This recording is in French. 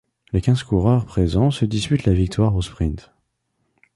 Les quinze coureurs présents se disputent la victoire au sprint.